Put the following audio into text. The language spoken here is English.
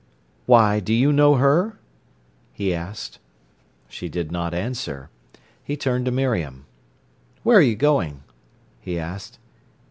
"Why, do you know her?" he asked. She did not answer. He turned to Miriam. "Where are you going?" he asked.